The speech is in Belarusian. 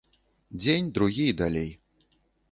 Дзень, другі і далей.